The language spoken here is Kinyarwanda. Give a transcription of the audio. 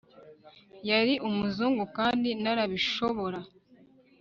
Yari umuzungu kandi narabishobora